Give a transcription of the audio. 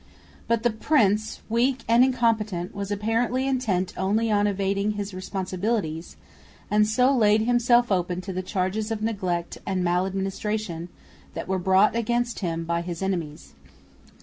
But the prince, weak and incompetent, was apparently intent only on evading his responsibilities, and so laid himself open to the charges of neglect and mal administration that were brought against him by his enemies.